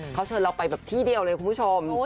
เขาเชิญเราไปแบบที่เดียวเลยคุณผู้ชม